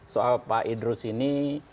soal pak idrus ini